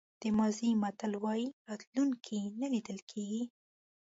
د مازی متل وایي راتلونکی نه لیدل کېږي.